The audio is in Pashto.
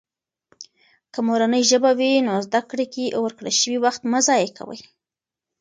که مورنۍ ژبه وي، نو زده کړې کې ورکړل شوي وخت مه ضایع کېږي.